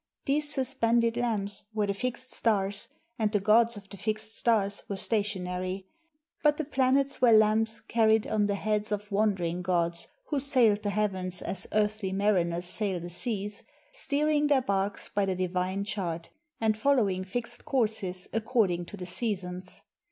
These sus pended lamps were the fixed stars, and the gods of the fixed stars were stationary; but the planets were lamps carried on the heads of wandering gods who sailed the heavens as earthly mariners sail the seas, steering their barks by the divine chart, and following fixed courses according to the seasons.